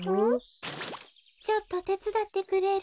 ちょっとてつだってくれる？